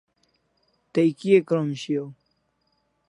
Tay Kia krom shiaw?